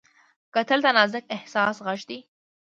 کتل د نازک احساس غږ دی